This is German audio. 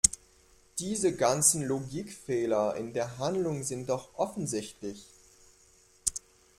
Diese ganzen Logikfehler in der Handlung sind doch offensichtlich!